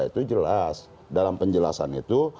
itu jelas dalam penjelasan itu